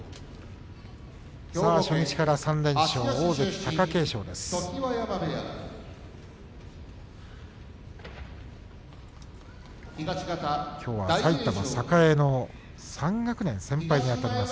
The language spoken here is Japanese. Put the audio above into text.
初日から３連勝、大関貴景勝です。